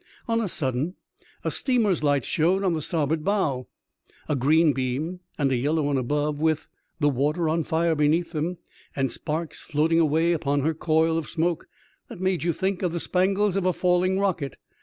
On a sudden, a steamer's lights showed on the starboard bow — a green beam, and a yellow one above, with the ^ 26 EXTRAORDINARY ADVENTURE OF A CHIEF MATK water on fire beneath them, and sparks floating away upon her coil of smoke, that made you think of the spangles of a falling f ocket.